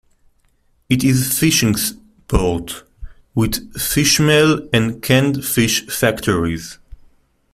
It is a fishing port, with fishmeal and canned fish factories.